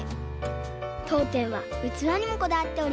とうてんはうつわにもこだわっております。